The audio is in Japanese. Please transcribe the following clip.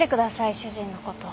主人のこと。